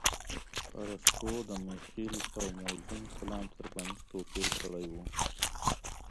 ارستو د مخيل او موزون کلام ترمنځ توپير کړى و.